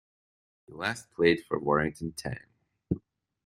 He last played for Warrington Town.